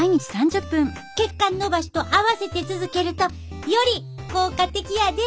血管のばしと合わせて続けるとより効果的やで。